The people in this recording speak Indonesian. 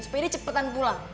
supaya dia cepetan pulang